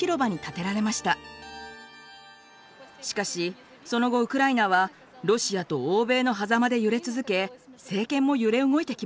しかしその後ウクライナはロシアと欧米のはざまで揺れ続け政権も揺れ動いてきました。